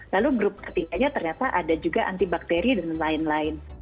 lalu grup ketiganya ternyata ada juga antibakteri dan lain lain